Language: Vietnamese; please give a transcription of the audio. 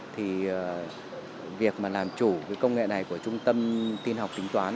thì việc mà làm chủ cái công nghệ này của trung tâm tin học tính toán